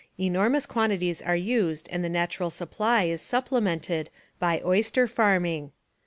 Enormous quantities are used and the natural supply is supplemented by "oyster farming."